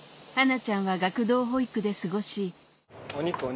ちゃんは学童保育で過ごしお肉お肉。